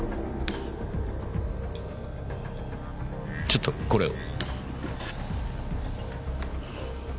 ちょっとこれを。